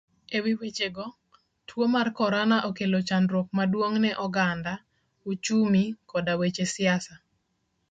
Ewi wechego, tuo mar korona okelo chandruok maduong ne oganda, uchumi koda weche siasa.